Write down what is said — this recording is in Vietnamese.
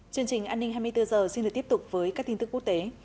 chương trình an ninh hai mươi bốn h xin được tiếp tục với các tin tức quốc tế